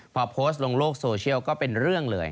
พอโพสต์ลงโลกโซเชียลก็เป็นเรื่องเลย